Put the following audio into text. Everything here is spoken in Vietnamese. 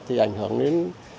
thì ảnh hưởng đến